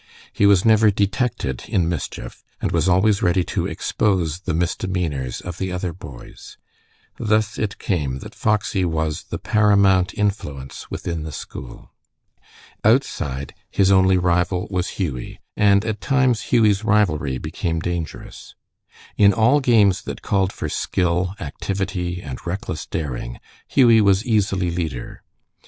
He was never detected in mischief, and was always ready to expose the misdemeanors of the other boys. Thus it came that Foxy was the paramount influence within the school. Outside, his only rival was Hughie, and at times Hughie's rivalry became dangerous. In all games that called for skill, activity, and reckless daring, Hughie was easily leader.